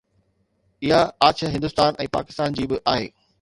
اها آڇ هندستان ۽ پاڪستان جي به آهي